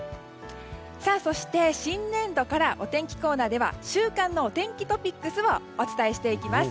そして、新年度からお天気コーナーでは週間のお天気トピックスをお伝えしていきます。